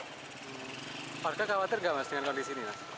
harusnya khawatir gak mas dengan kondisi ini mas